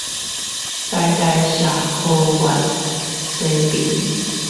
臺大社科院西側